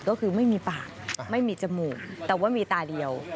ก็คือไม่มีปากไม่มีจมูกแต่ว่ามีตาเดียว